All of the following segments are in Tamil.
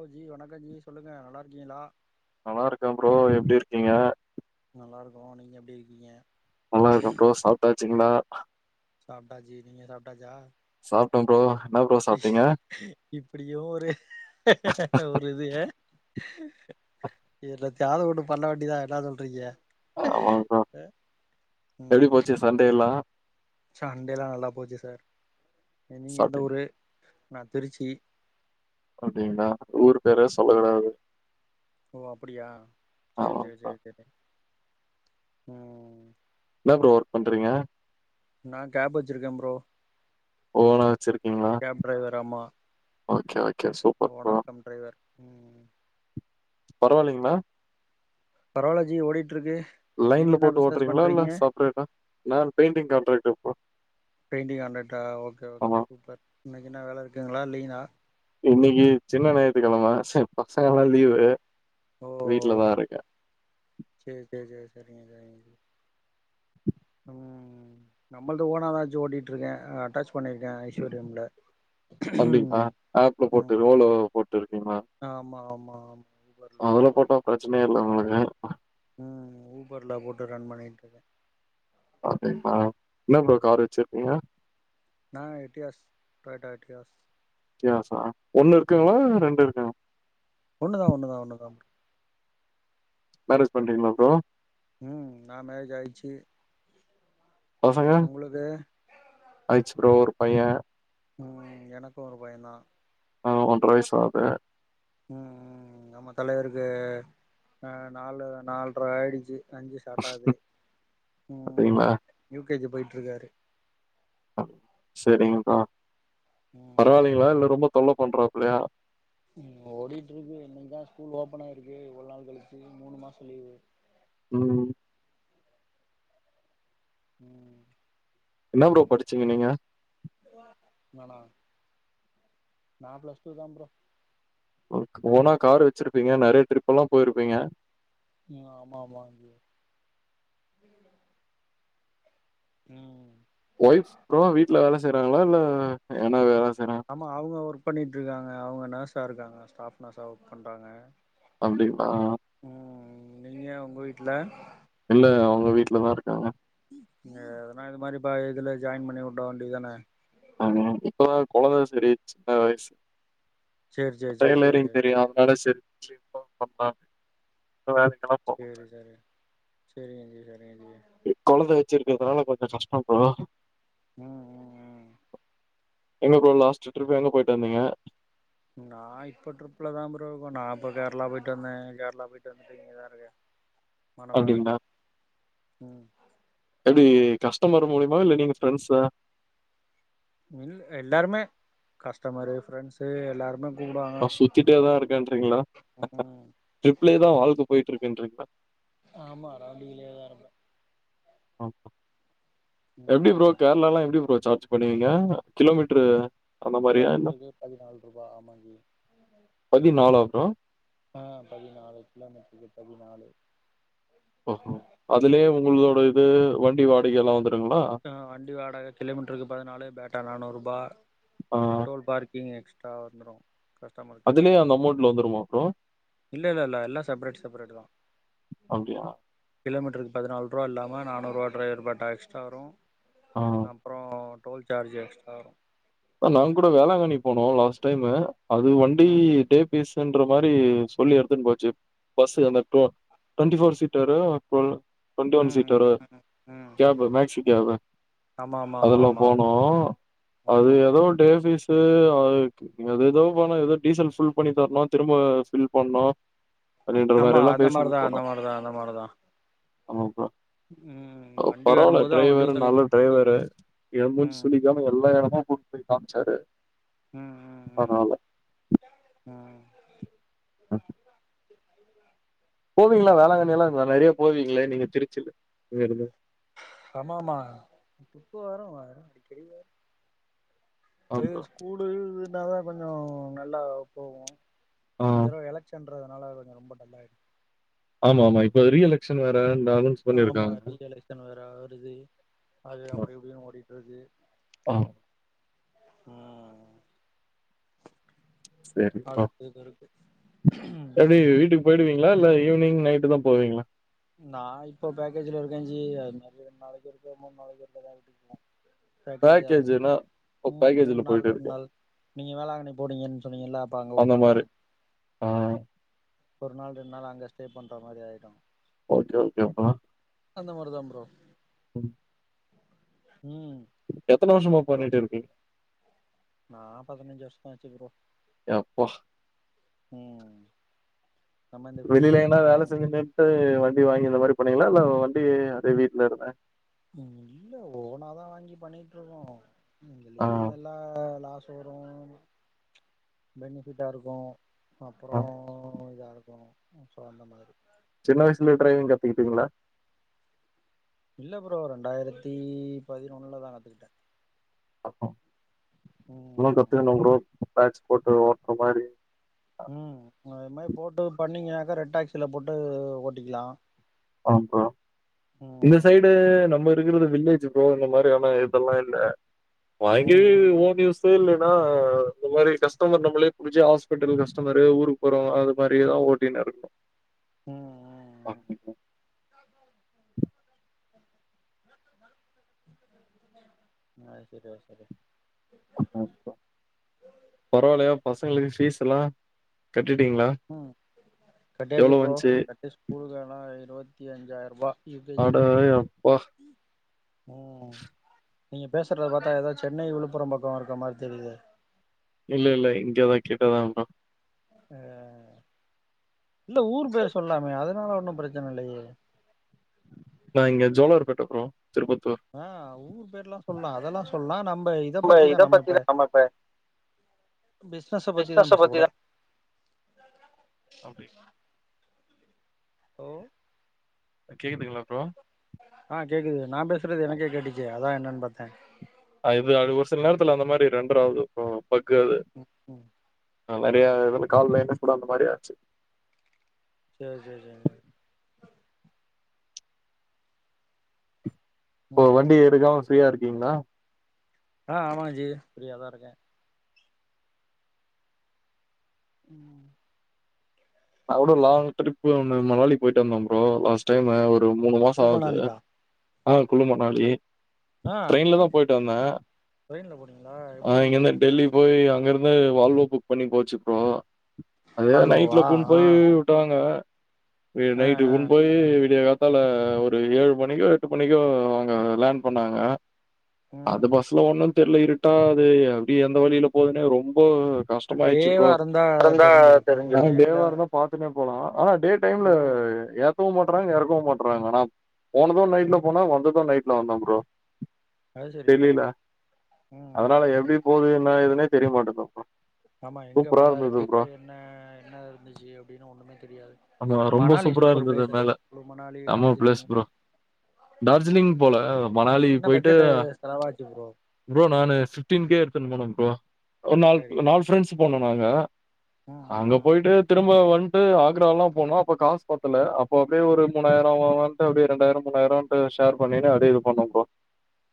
ஓ ஜி வணக்கம் ஜி சொல்லுங்க நல்லாருக்கீங்ளா நல்லாருக்கே ப்ரோ எப்டி இருக்கீங்க நல்லாருக்கோ நீங்க எப்டி இருக்கீங்க நல்லாருக்கே ப்ரோ சாப்ட்டாச்சுங்ளா சாப்டாச்சி நீங்க சாப்டாச்சா சாப்ட்டே ப்ரோ இன்னா ப்ரோ சாப்ட்டீங்க இப்டியு ஒரு ஒரு து என்னத்தயாவது ஒன்னு பண்ண வேண்டியது தா என்ன சொல்றிங்க ஆமா ப ம் சண்டேயெல்லா சண்டையெல்லா நல்லா போச்சு சார் நீங்க எந்த சாப்ட்டீங் ஊரு நா திருச்சி அப்டிங்ளா ஊரு பேறே ம் சொல்லக்கூடாது ஆமாங்க்கா கேட்டே ம் என்னா ப்ரோ ஒர்க் பண்றீங்க நா கேப் வெச்சிருக்கே ப்ரோ ஓனா வெச்சிருக்கீங்ளா கேப் டிரைவர் ஆமா ஓகே ஓகே சூப் ஓனர் கம் டிரைவர் ம் பரவால்லைங்ளா பரவால்ல ஜி ஓடிட்ருக்கு லைன்ல போட்டு ஓட்றீங்களா இல்ல செப்ரேட்டா நா பெயிண்டிங் கண்ட்ராக்டர் ப்ரோ பெயின்டிங் காண்ட்ராக்ட்டா ஓகே ஓகே ஆமா சூப்பர் இன்னைக்கு என்ன வேல இருக்குங்களா இல்லிங்ளா இன்னைக்கு சின்ன ஞாயித்து கெழம சோ பசங்கல்லா ம் லீவு வீட்லதா இருக்கே சேர் சேரி சேரி சேரிங்க சேரிங்க ம் நம்மள்து ஓனா வெச்சி ஓட்டிட்ருக்கே அட்டாச் பண்ணிருக்கே ஐஸ்வர்யம்ல அப்டிங்ளா ம் ஆப்ல போட்டு ஓலோ போட்டுருக்கீங்களா ஆமா ஆமா ஆமா ஊபர்ல தா லீவ போட்டா பிரச்சனையே இல்ல உங்களுக்கு ம் ஊபர்ல போட்டு ரன் பண்ணிட்ருக்கே அப்டிங்ளா என்ன ப்ரோ கார் வெச்சிருக்கீங்க நா எட்டியாஸ் டொயோட்டா எட்டியாஸ் எட்ரியாசா ஒண்ணுருக்குங்ளா ரெண்டு இருக்கா ஒண்ணு தா ஒண்ணு தா ஒண்ணு தா ப்ரோ மேரேஜ் பண்றீங்களா ப்ரோ ம் நா மேரேஜ் ஆயிச்சி பசங்க ஆயிச்சு ப்ரோ ஒரு பைய்யே ம் எனக்கு ஒரு பையந்தா ஆ ஒன்ர வயசாகுது ம் நம்ம தலைவருக்கு அ நாலு நால்ர ஆயிடுச்சு அஞ்சு சாட்டாது ம் அப்டிங்களா யூ கே ஜி போய்ட்டுருக்காரு செரிங் ப்ரோ ம் பரவால்லைங்களா இல்ல ரொம்ப தொல்ல பண்றாப்பலையா ம் ஓடிட்ருக்கு இன்னைக் தா ஸ்கூல் ஓப்பனு ஆயிருக்கு இவ்ள நாள் கழிச்சி மூணு மாசோ லீவு ம் ம் என்னா ப்ரோ படிச்சீங்க நீங்க நானா நா பிளஸ் டூ தாம் ப்ரோ [unintelligible] ஓனா கார் வெச்சிருப்பீங்க நெறையா ட்ரிப்பெல்லா போயிருப்பீங்க ம் ஆமாமாம் ப்ரோ ம் ஒய்ஃப்ஸ் ப்ரோ வீட்ல வேல செய்றாங்ளா இல்ல எதனா வேல செய்றாங் ஆமா அவுங்க ஒர்க் பண்ணிட்ருக்காங்க அவுங்க நர்ஸா இருக்காங்க ஸ்டாஃப் நர்ஸா ஒர்க் பண்றாங்க அப்டிங்ளா ம் நீங்க உங்க வீட்ல இல்லங்க அவுங்க வீட்லதாருக்காங்க அ எதனா இது மாரி பா இதுல ஜாயின் பண்ணி வுட்ற வேண்டிய தான ஆ இப்பதா கொழந்த செரி சின்ன வயசு சேரி சேரி சேரி சேரி டெய்லரிங் சேரி தெரியு வேல செய்ற [inaudible] சேரி சேரி சேரிங்க ஜி சேரிங்க ஜி கொழந்த வச்சிருக்கறதுனால கொஞ்சோ கஷ்டோ ப்ரோ ம் ம் ம் எங்க ப்ரோ ஒரு லாஸ்ட் ட்ரிப் எங்க போய்ட்டு வந்தீங்க நா இப்போ ட்ரிப்ல தா ப்ரோ இருகோ நா இப்ப கேரளா போய்ட்டு வந்தேன் கேரளா போய்ட்டு வந்துட்டு இங்கே தாருக்கே அப்டிங்ளா ம் எப்டி கஸ்டமர் மூலமா இல்ல நீங்க ஃப்ரெண்ஸா இல்ல எல்லாருமே கஸ்டமரு ஃப்ரெண்ஸ்சு எல்லாருமே கூப்டுவாங்க நா சுத்திட்டே தாருக்கேன்றிங்ளா ம் ட்ரிப்ல தா வாழ்க்க போய்ட்டுருக்குன்றீங்ளா ஆமா ரவுன்டிங்ல ஏ தாருந்தே ஆ எப்டி ப்ரோ ம் கேரளல்லா எப்டி ப்ரோ சார்ஜ் பண்ணுவீங்க கிலோ மீட்டரு கிலோ மீட்டருக்கு பதினாலு ரூபா ஆமாங்ஜீ பதினாலா ப்ரோ ஆ பதினாலு கிலோமீட்டருக்கு பதினாலு ஓ ஹோ அதுலயே உங்களோட இது வண்டி வாடகை எல்லா வந்துருங்ளா வண்டி வாடக கிலோமீட்டருக்கு பதினாலு பேட்டா நானூறு ரூபா ம் டோல் பார்கிங் எக்ஸ்ட்ரா வந்துரு கஸ்டமர் பே அந்த அமௌண்ட் வந்துருமா ப்ரோ இல்லல்ல இல்ல எல்லா செப்ரேட் செப்ரேட் தா அப்டியா கிலோமீட்டருக்கு பதினாலு ரூவா இல்லாம நானூரூவா டிரைவர் பேட்டா எக்ஸ்ட்ரா வரு ஆ அப்றோ டோல் சார்ஜ் எக்ஸ்ட்ரா வரு நாங் கூட வேளாங்கண்ணி போனோ லாஸ்ட் டைமு அது வண்டி ம் டே பீஸ் ன்ற மாரி சொல்லி எடுதுன் போச்சு பஸ் அந்த டு ட்வெண்டி போர் சீட்டரு வரு டுவென்டி ஒன் சீட்டரு ம் ம் ம் கேப் மேக்சி கேப் ஆமா ஆமா ஆமா அதுல ஆமா போனோ அது ம் எதோ டே பீஸ் அத இக் நீ ஏதேதோ பணம் ஏதோ டீசல் ஃபில் பண்ணி தரணு திரும்ப ஃபில் பண்ணு அப்டின்ற ஆமா மாரில்லா அந்த பேசின் மாரிதா அந்த போனோ மாரிதா அந்த மாரிதா ஆமாப்பா ம் வண்டி பரவால்ல வரும்போது அவங்க டிரைவரு டூசல் நல்ல டிரைவரு எ முஞ்சி ம் சுழி ஏனா எல்லா எடமு காம்ச்சாரு ம் ம் ம் பரவால்ல ம் போவிங்ளா ம் வேளாங்கண்ணி எல்லா நெறைய போவீங்களே நீங்க திருச்சில இங்கேருந்து ஆமாம்மா அப்பப்ப வரு அடிக்கடி வரு அது ஆமா ஸ்கூலு இதுனா தா கொஞ்சோ நல்லா போகு ஆ. இந்த தடவ எலக் ன்றதுனால அதுங்க ரொம்ப டல்லாயிடு ஆமா ஆமா இப்ப ரீ எலக்சன் வேற இருந்தாலும் ஆமா ரீ எலக்ஸன் வேற வருது அது அப்டி இப்டின் ஓடிட்டுருக்கு அ ம் சரி. ஆ. அழுத்து கரு எப்டி வீட்டுக்கு போய்டுவிங்ளா இல்ல நீ ஈவ்னிங் நைட்டு தா போவீங்ளா நா இப்ப பேக்கேஜ்ல இருக்கேன் ஜி அது மாரி ரெண் நாளைக்கு ஒருக்க மூணு நாளைக்கு ஒருக்க தான் வீட்டுக் போவோ பேக்கேஜ் ஆரமோ பேக்கேஜ்னா ஓ ம் மூணு பேக்கேஜ்ல நாள் போயிட்டு ரெண் இருக்கீங்க. நாள் நீங்க வேளாங்கண்ணி போடீங்கன்னு சொன்னீங்கல்ல அப்ப அங்க ஒரு அந்த நாள் மாரி. ஆய்டு ஆ ஒரு நாள் ரெண்டு நாள் அங்கே ஸ்டே பண்ணுற மாரி ஆய்டும் ஓகே ஓகே பா அந்த மாரி தான் ப்ரோ ம் ம் எத்தன வருஷமா ப்ரோ பண்ணிட்டு இருக்கீங் நா பதினஞ்சு வருஷமா ஆச்சு ப்ரோ யப்பா ம் நம்ம இந்த ஃபீல்டுக்கு வந்து பதினஞ்சி வருஷ் போய் வண்டி வாங்கி இந்த மாரி பண்ணீங்ளா இல்ல வண்டி அதே வீட்ல இருந்த ம் இல்ல ஓனாதான் வாங்கி பண்ணிட்டுருக்கோம் இந்த ஆ, லீமெல்லா லாஸ்ட் அப்றோ பெனிஃபிட்டா இருக்கும் அப்றோ ஆ. இதா இருக்கணும் சோ அந்த மாரி சின்ன வயசுல டிரைவிங் கத்துக்கிட்டீங்ளா இல்ல ப்ரோ ரெண்டாயிரத்தி பதினொன்னுலதான் கத்துக்கிட்டேன் ஆ. இன்னும் ம் கத்துகனுங் ப்ரோ பேஜ் போட்டு ஓட்டுற மாரி ம் அது மாரி போட்டு பண்ணீங்னாக்கா ரெட் டாக்சில போட்டு ஓட்டிக்கலா ஆ ப்ரோ இந்தஸ் ம் சைடு நம்ம இருக்றது வில்லேஜ் ப்ரோ இந்த மாரியான இதெல்லா இல்ல ம் வாங்கி ம் ஓன்யூஸ் க்கு இல்லனா இந்த மாரி கஸ்டமர் நம்ளே புடிச்சி ஹாஸ்பிட்டல் கஸ்டமரு ஊருக்கு போறோம் அது மாரி தான் ஓட்டினு இருக்க ம் ம் ம் ஆ செரி வர சொல்லு அப்ப பரவாயில்லையா பசங்களுக்கு ஃபீஸ் எல்லா கெட்டிட்டீங்ளா கெட்டியாச்சி ப்ரோ கெட்டி ஸ்கூலுக்கு எல்லா இருவத்தி அஞ்சாயிருபா யு கே ஜி அட கு அப்பா! ம் நீங்க பேசுறத பாத்தா ஏதோ சென்னை விழுப்புரம் பக்கம் இருக்கற மாரி தெரிது இல்ல இல்ல இங்கதான் கிட்டதான் ப்ரோ ஆ இல்ல ஊர் பேர் சொல்லாமே அதனால ஒன்னும் பெரச்சன இல்லயே நா இங்க ஜோலார்பேட்ட ப்ரோ திருப்பத்தூர் ஆ ஊர் பேர்லா சொல்லா அதெல்லா சொல்லாம் நம்ப நம்ப இத பத்திதான் ஆமாப்பே பிசினஸ பத்திதா பிஸ்னஸ் பேசக்கூடாது பத்திதான் அப்டி ஓ கேக்குதுங்ளா ப்ரோ அ கேக்குது நான் பேசுறது எனக்கே கேட்டுச்சு அதா என்னன்னு பாத்தேன் அ இது ஒரு சில நேரத்துல அந்த மாரி ரெண்டர ஆவுது அ பக்கு அது ம் அ நெறைய இது கால்ல எனக்கூட அந்த மாரி ஆச்சு சேரி சேரி சேர் ஒ ம் வண்டி எடுக்காம ஃப்ரீயா இருக்கீங்ளா அ ஆமாங்ஜி ஃப்ரீயா தா இருக்கே ம் அவ்ளோ லாங் ட்ரிப் ஒன்னு மகாலி போயிட்டு வந்தோ ப்ரோ லாஸ்டைமு ஒரு ஒரு மூணு மாசோ குழு ஆவூது மணாலியா அ குழுமணாளி ஆ ட்ரெயின்ல தா போயிட்டு வந்தே ட்ரெயின்ல போனீங்களா ஆ எப்டி இருந்துச்சு இங்கருந்து டெல்லி போய் அங்கிருந்து வால்வோ புக் பண்ணி போச்சுக்றோ வால்வோவா போய் விட்டாங்க ஆ நைட்டுக்கு ஆ போயி போயி விடிய காத்தால ஒரு ஏழு மணிக்கோ எட்டு மணிக்கோ அவுங்க லேண்ட் பண்ணாங்க அது ம் பஸ்ல ஒண்ணு தெரில இருட்டா அது அப்டியே எந்த வழில போதுனே ரொம்ப கஷ்டமாய்டுச்சு டேவா ப்ரோ இருந்தா தெரிஞ்சிருக்கு [unintelligible] டேல பாத்துட்டே போலா ஆனா டே டைம்ல ம் ஏத்த ஏத்தவு மாட்டறாங்க எறக்கவு மாட்றாங்க ஆனா போனது நைட்ல போனோ வந்தது நைட்ல வந்த ப்ரோ அது சரி தெரில ம் ம் அதனால ம் எப்டி போது என்ன ஏதுனே தெரிய மாட்டுது ஆமா எங்க மல இருக்கு என்ன என்ன இருந்துச்சு அப்டின்னு ஒண்ணுமே தெரியாது ஆமா ரொம்ப மணாலி சூப்பரா சூப்பர் இருந்தது பிளேஸ் மேல குளு மணாலி நம்ம டார்ஜிலிங் பிளேஸ் ப்ரோ டார்ஜிலிங் போல மணாலி என்ன போயிட்டு பட்ஜெட் செலவாச்சு ப்ரோ ப்ரோ நானு ஃபிப்டீன் கே எடுத்துன்னு போனே ப்ரோ ஒரு நா சரி நாலு ஃப்ரெண்ட்ஸ் போனோ நாங்க ம் ம் அவுங்க ம் போய்டட்டு திரும்ப வந்ட்டு ஆக்ராலா போனோ அப்போ காசு பத்தல அப்போ அப்டியே ஒரு மூணாயிரோ அப்டிய ரெண்டாயிரொ மூணாயிரொ ஷேர் பண்ணினு அப்டியே இது பண்ணோ ப்ரோ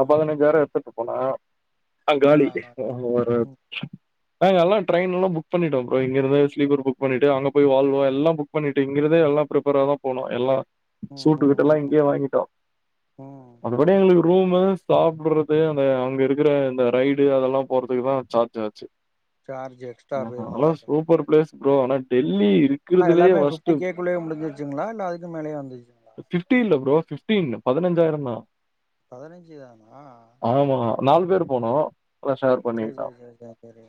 அ ம் ம் பதினஞ்சாய்ரொ எடுத்துட்டு போன அங்கலி அதா அதா ஒரு ம் நாங்கலலா ட்ரெயின் எல்லா புக் பண்ணிட்டோ ப்ரோ இங்க இருந்து [unintelligible] புக் பண்ணிட்டு அங்க போய் வால்வா எல்லா புக் பண்ணிட்டு இங்கிர்ந்து எல்லா பிரிப்பராதா போனோ எல்லா [unintelligible] ம் இதெல்லா ம் இங்கே வாங்கிட்டோ ம் மத்தபடி எங்களுக்கு ரூமு சாப்டறது அந்த அங்க இருக்கிற இந்த ரைடு அதெல்லா போறதுக்கு தா சார்ஜ் ஆச்சு சார்ஜ் எக்ஸ்ட்ரா அதா பேமெண்ட் ஆயிடு சூப்பர் பிளேஸ் ப்ரோ ஆனா டெல்லி இருக் ஆனா எல்லாமே பிப்டி கேக்குள்ளயே முடிச்சிச்சுங்ளா இல்ல அதுக்குமேலேயு வந்துச் பிப்டீ இல்ல ப்ரோ பிப்டின் பதினஞ்சாயிரதா பதினஞ்சு தானா ஆமா நாலு பேரு போனோ எல்லா ஷேர் பண்ணிட்தா சரி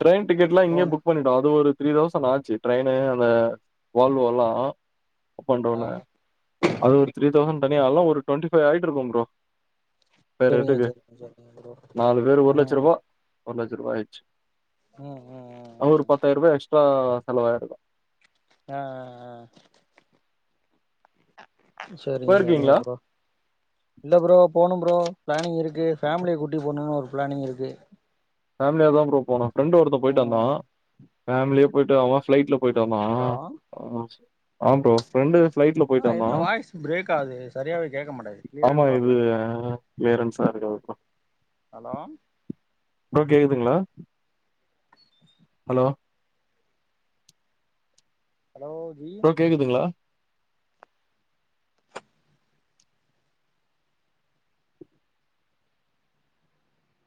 ட்ரெயின் டிக்கெட்லா இங்க புக் பண்ணிட்டோ அது ஒரு த்ரீ தௌசண்ட் ஆச்சு ட்ரெயினு அந்த வால்வொல்லா அப் அண்ட் ஆ டவுன்னு அது ஒரு த்ரீ தௌசண்ட் தனியா ஆகு ஒரு டுவெண்ட்டி ஃபைவ் ஆயிட்டு இருக்கு ப்ரோ பேற சரிங்க ரண்டுக்கு சரிங்க சரிங்க ப்ரோ நாலு பேரு ஒரு ம் லட்சரூவா ஒரு லட்சருபா ஆயிடுச்சி ம் ம் ம் அவரு ம் பத்தாயிர ரூபாய் எஸ்டா செலவாயிர்க்கு அ அ அ செரிங்க செரிங்க போயிருக்கீங்களா? ப்ரோ இல்ல ப்ரோ போணு ப்ரோ பிளானிங் இருக்கு ஃபேமிலிய கூட்டி போணுனு ஒரு பிளானிங் இருக்கு ஃபேமிலியா தா ப்ரோ போன ஃப்ரண்ட் ஒருத்த போயிட்டு வந்தா ம் ஃபேமிலியா போயிட்டு அவ ஃபிளைட்ல போயிட்டு வந்தா ஹலோ ஆ ப்ரோ ஃபிரண்டு பிளைட்ல போயிட் என்னா வாய்ஸ் பிரேக் ஆவுது ஆமா இது கிளியர்ன்சா இருக்காது ப்ரோ அலோ ப்ரோ கேக்குதுங்ளா ஹலோ ஹலோ ஜி கேக்குதுங்ளா